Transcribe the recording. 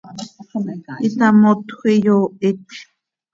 itamotjö, iyoohit.